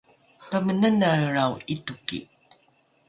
pamenanaelrao ’itoki